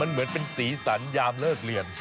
เหมือนเป็นสีสันยามเลิกเรียน